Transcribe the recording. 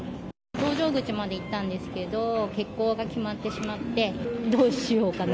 搭乗口まで行ったんですけど、欠航が決まってしまって、どうしようかな。